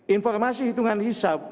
informasi hitungan hisap